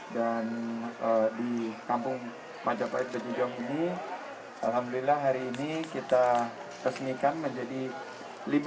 dan di kampung majapahit bejijom ini alhamdulillah hari ini kita tersenyikan menjadi lima puluh desa wisata